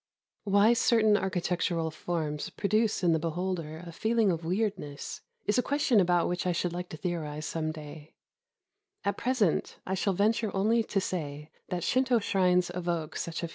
Why certain architectural forms produce in the be holder a feeling of weirdness is a question about which I should like to theorize some day: at present I shall ven ture only to say that Shinto shrines evoke such a feeling.